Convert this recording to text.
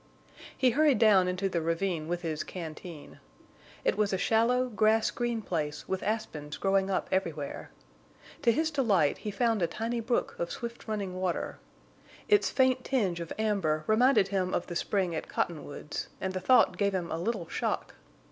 He hurried down into the ravine with his canteen. It was a shallow, grass green place with aspens growing up everywhere. To his delight he found a tiny brook of swift running water. Its faint tinge of amber reminded him of the spring at Cottonwoods, and the thought gave him a little shock.